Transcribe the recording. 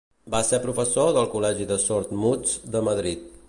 Va ser professor del col·legi de sordmuts de Madrid.